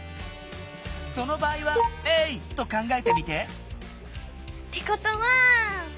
その場合は０と考えてみて！ってことは。